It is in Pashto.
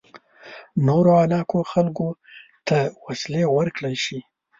نورو علاقو خلکو ته وسلې ورکړل شي.